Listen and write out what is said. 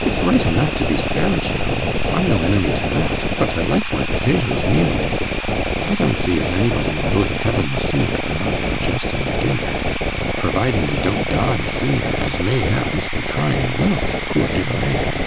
It's right enough to be speritial I'm no enemy to that; but I like my potatoes mealy. I don't see as anybody 'ull go to heaven the sooner for not digestin' their dinner providin' they don't die sooner, as mayhap Mr. Tryan will, poor dear man!